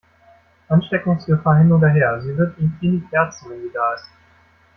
Ansteckungsgefahr hin oder her, sie wird ihn innig herzen, wenn sie da ist.